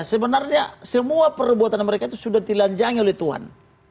sebenarnya semua perbuatan mereka itu sudah dilanjangi oleh tuhan